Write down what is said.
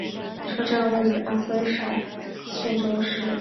车站位于安徽省宿州市砀山县高铁新区薛口村。